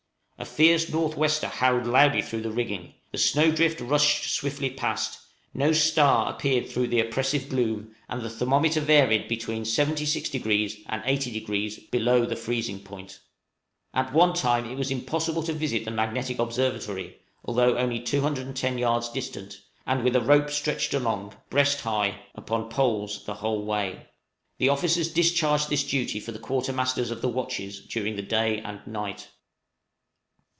A fierce north wester howled loudly through the rigging, the snow drift rustled swiftly past, no star appeared through the oppressive gloom, and the thermometer varied between 76° and 80° below the freezing point. At one time it was impossible to visit the magnetic observatory, although only 210 yards distant, and with a rope stretched along, breast high, upon poles the whole way. The officers discharged this duty for the quarter masters of the watches during the day and night.